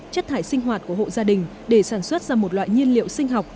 chất thải sinh hoạt của hộ gia đình để sản xuất ra một loại nhiên liệu sinh học